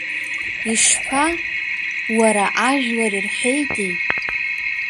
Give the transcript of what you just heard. Ишԥа, уара, ажәлар ирҳәеитеи?!